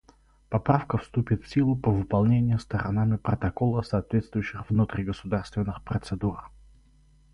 Поправка вступит в силу по выполнении сторонами Протокола соответствующих внутригосударственных процедур.